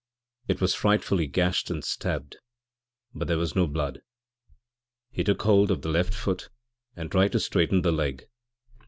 It was frightfully gashed and stabbed, but there was no blood. He took hold of the left foot and tried to straighten the leg.